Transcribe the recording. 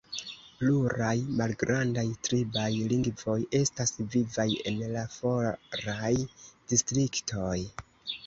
Pluraj malgrandaj tribaj lingvoj estas vivaj en la foraj distriktoj.